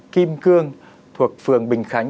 kim cương thuộc phường bình khánh